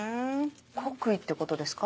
黒衣ってことですか？